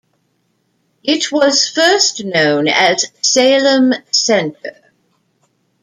It was first known as Salem Center.